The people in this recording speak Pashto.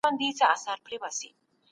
د ماشوم وده باید وڅارل شي.